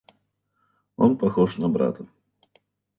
Он похож на брата.